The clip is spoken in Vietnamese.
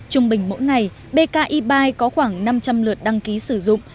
trung bình mỗi ngày bki bike có khoảng năm trăm linh lượt đăng ký sử dụng